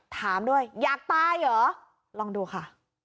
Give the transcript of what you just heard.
ถามด้วยอยากตายเหรอลองดูค่ะ